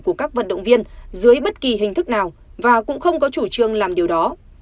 của các vận động viên dưới bất kỳ hình thức nào và cũng không có chủ trương làm điều đó